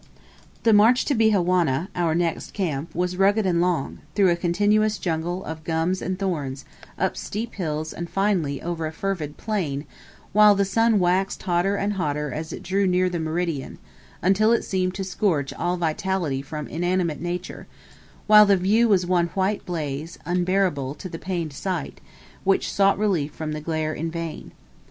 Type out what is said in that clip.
The march to Bihawana, our next camp, was rugged and long, through a continuous jungle of gums and thorns, up steep hills and finally over a fervid plain, while the sun waxed hotter and hotter as it drew near the meridian, until it seemed to scorch all vitality from inanimate nature, while the view was one white blaze, unbearable to the pained sight, which sought relief from the glare in vain.